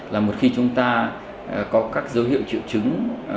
là một khi chúng ta có các dấu hiệu triệu chứng